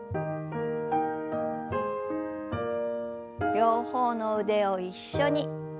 両方の腕を一緒に。